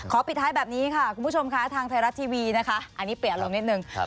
ขอปิดท้ายแบบนี้ค่ะคุณผู้ชมคะทางไทยรัสทีวีนะคะอันนี้เปลี่ยนลงเล็กหนึ่ง